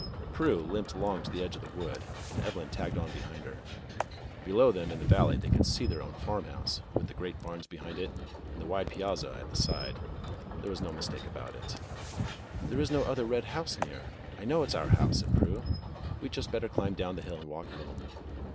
Prue limped along to the edge of the wood, and Evelyn tagged on behind her. Below them in the valley they could see their own farmhouse, with the great barns behind it and the wide piazza at the side. There was no mistake about it. "There is no other red house near; I know it's our house," said Prue. "We'd just better climb down the hill and walk home."